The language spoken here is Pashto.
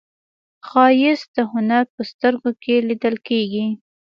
ښایست د هنر په سترګو کې لیدل کېږي